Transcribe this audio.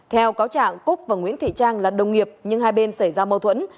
theo cáo trạng cúc và nguyễn thị trang là đồng nghiệp nhưng hai bên xảy ra mâu thuẫn